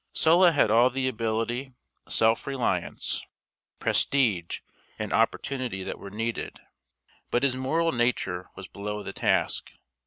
Sulla had all the ability, self reliance, prestige, and opportunity that were needed. But his moral nature was below the task.